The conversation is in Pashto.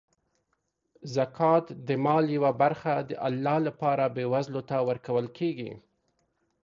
زکات د مال یوه برخه د الله لپاره بېوزلو ته ورکول کیږي.